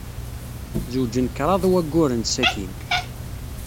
Zewǧen kraḍ n wayyuren sakkin.